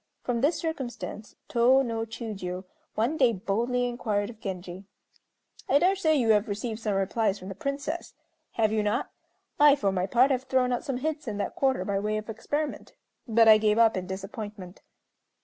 From this circumstance Tô no Chiûjiô one day boldly inquired of Genji: "I dare say you have received some replies from the Princess. Have you not? I for my part have thrown out some hints in that quarter by way of experiment, but I gave up in disappointment."